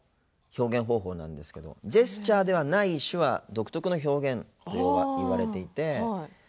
表現方法なんですけどジェスチャーではない手話独特の表現といわれていて。